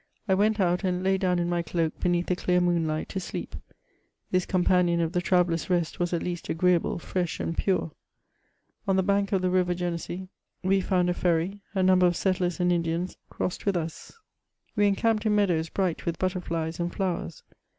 I went out, and lay down in my cloak beneath the clear moonlight to sleep; this companion of the traveller's rest was at least agree able, fresh, and pure. On the ^ bank of the river Genesee, we found a ferry ; a number of settlers and Indians crossed with us; u 2 272 MEMOIRS or we encamped in meadows bright with butterflies and flowers.